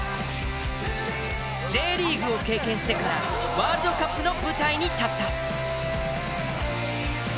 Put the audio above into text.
Ｊリーグを経験してからワールドカップの舞台に立った。